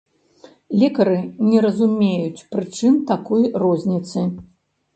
Лекары не разумеюць прычын такой розніцы.